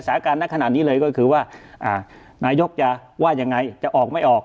สถานการณ์นักขนาดนี้เลยก็คือว่านายกจะว่ายังไงจะออกไม่ออก